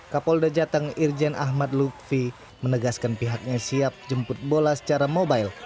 kapolda jateng irjen ahmad lutfi menegaskan pihaknya siap jemput bola secara mobile